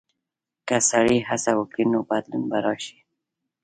که سړی هڅه وکړي، نو بدلون به راشي.